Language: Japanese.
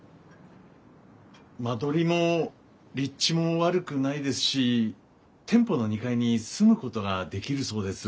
間取りも立地も悪くないですし店舗の２階に住むことができるそうです。